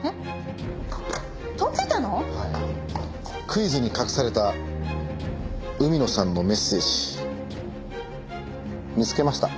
クイズに隠された海野さんのメッセージ見つけました。